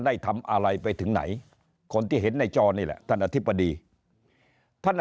ได้ทำอะไรไปถึงไหนคนที่เห็นในจอนี่แหละท่านอธิบดีท่าน